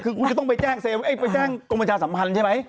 คือคุณจะต้องไปแจ้งไปแจ้งกรมประชาสัมพันธ์ใช่ไหม